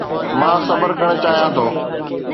مان صبر ڪرڻ چاهيان ٿو